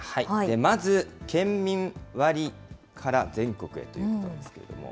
まず、県民割から、全国へということですけれども。